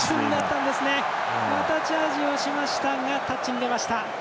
またチャージをしましたがタッチを出ました。